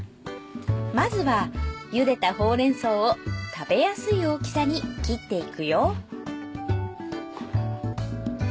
まずはゆでたほうれん草を食べやすい大きさに切っていくよ